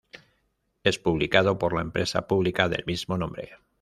Es publicado por la empresa pública del mismo nombre.